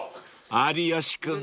［有吉君